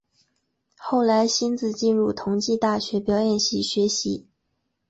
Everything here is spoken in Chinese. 后来馨子进入同济大学表演系学习。